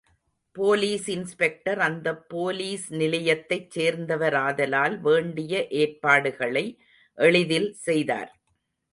Police inspector அந்தப் police நிலையத்தைச் சேர்ந்தவராதலால் வேண்டிய ஏற்பாடுகளை எளிதில் செய்தார்.